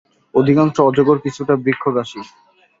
অধিকাংশ অজগর কিছুটা বৃক্ষবাসী।